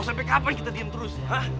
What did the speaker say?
sampai kapan kita diem terus